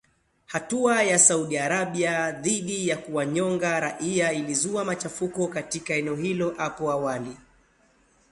Hatua ya Saudi Arabia dhidi ya kuwanyonga raia ilizua machafuko katika eneo hilo hapo awali